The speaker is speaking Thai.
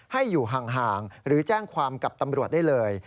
ให้อยู่ห่างหรือแจ้งความกับตำรวจได้เลย